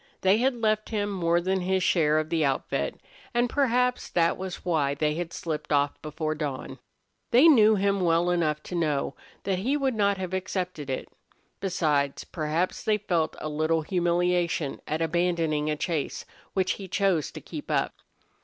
They had left him more than his share of the outfit, and perhaps that was why they had slipped off before dawn. They knew him well enough to know that he would not have accepted it. Besides, perhaps they felt a little humiliation at abandoning a chase which he chose to keep up.